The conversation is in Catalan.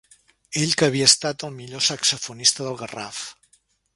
Ell que havia estat el millor saxofonista del Garraf.